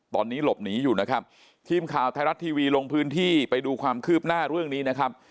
ตอนนี้หลบหนีอยู่นะครับทีมข่าวไทยรัฐทีวีลงพื้นที่ไปดูความคืบหน้าเรื่องนี้นะครับ